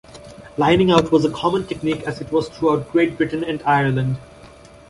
Lining out was a common technique, as it was throughout Great Britain and Ireland.